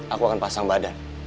aku akan pasang badan